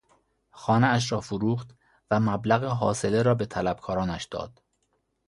خانهاش را فروخت و مبلغ حاصله را به طلبکارانش داد.